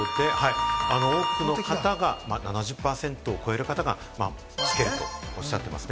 多くの方、７０％を超える方が「つける」とおっしゃっています。